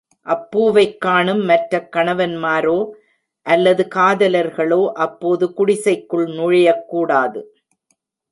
அப்பூவைக் காணும் மற்ற கணவன்மாரோ, அல்லது காதலர்களோ அப்போது குடிசைக்குள் நுழையக் கூடாது.